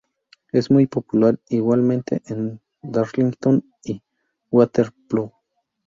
Es muy popular igualmente en Darlington y Hartlepool.